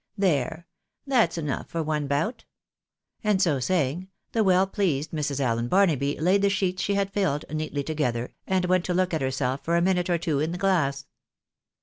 There ; that's enough for one bout," and so saying, the well pleased Mrs. Allen Barnaby laid the sheets she had filled, neatly together, and went to look at herself for a minute or two in the glass.